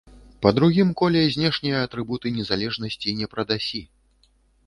Па другім коле знешнія атрыбуты незалежнасці не прадасі.